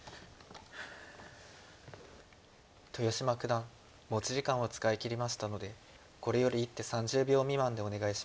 豊島九段持ち時間を使い切りましたのでこれより一手３０秒未満でお願いします。